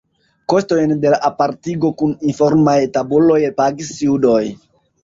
Kostojn de la apartigo kun informaj tabuloj pagis judoj.